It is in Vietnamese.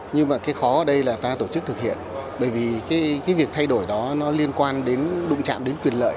nhưng mà cái khó ở đây là ta tổ chức thực hiện bởi vì cái việc thay đổi đó nó liên quan đến đụng chạm đến quyền lợi